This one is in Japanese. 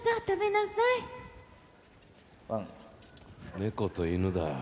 猫と犬だ。